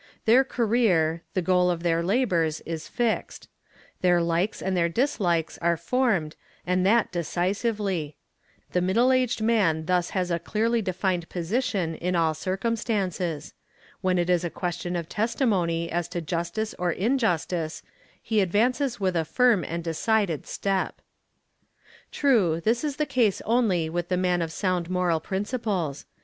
Their career, the goal of their labours is fixed; their hkes and their dislikes are formed and that decisively ; the middle aged man thus has a clearly defined position in all circumstances; when it is a question of testimony as to justice or injustice he advances with a firm and decided step. True, this is the case only with the man of sound moral principles.